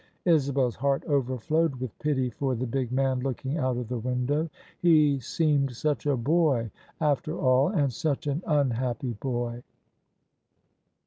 Isabel's heart overflowed with pity for the big man looking out of the window. He seemed such a boy after all, and such an unhappy boy.